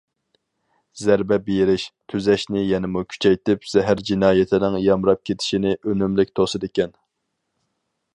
زەربە بېرىش، تۈزەشنى يەنىمۇ كۈچەيتىپ، زەھەر جىنايىتىنىڭ يامراپ كېتىشىنى ئۈنۈملۈك توسىدىكەن.